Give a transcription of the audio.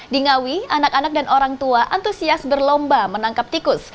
di ngawi anak anak dan orang tua antusias berlomba menangkap tikus